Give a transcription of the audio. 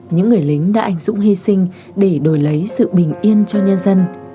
những người lính đã ảnh dũng hy sinh để đổi lấy sự bình yên cho nhân dân